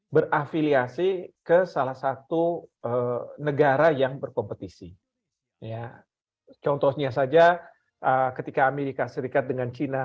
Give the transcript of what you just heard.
berafiliasi ke salah satu negara yang berkompetisi ya contohnya saja ketika amerika serikat dengan cina